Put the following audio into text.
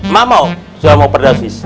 mak mau sulam overdosis